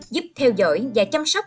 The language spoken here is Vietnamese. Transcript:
giúp theo dõi và chăm sóc